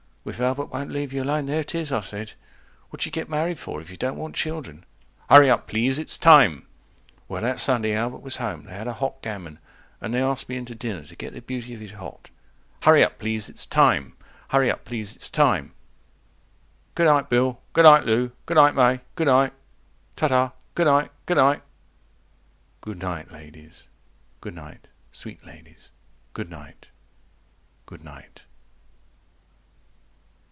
Well, if Albert won't leave you alone, there it is, I said, What you get married for if you don't want children? HURRY UP PLEASE IT'S TIME Well, that Sunday Albert was home, they had a hot gammon, And they asked me in to dinner, to get the beauty of it hot— HURRY UP PLEASE IT'S TIME HURRY UP PLEASE IT'S TIME Goonight Bill. Goonight Lou. Goonight May. Goonight. 170 Ta ta. Goonight. Goonight. Good night, ladies, good night, sweet ladies, good night, good night.